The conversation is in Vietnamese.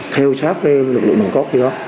theo sát lực lượng nồng cốt như đó